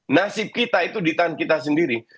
nasib kita itu di tangan kita sendiri